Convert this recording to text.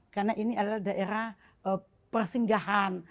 karena ini adalah daerah persinggahan